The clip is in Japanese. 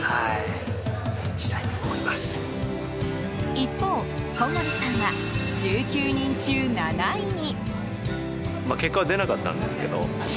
一方、小森さんは１９人中７位に。